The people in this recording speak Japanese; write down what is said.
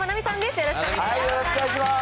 よろしくお願いします。